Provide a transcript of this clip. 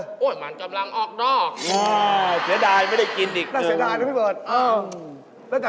โอโฆ้ยมันกำลังออกดอก